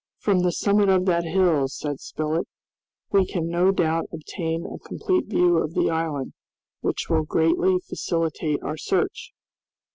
"From the summit of that hill," said Spilett, "we can no doubt obtain a complete view of the island, which will greatly facilitate our search."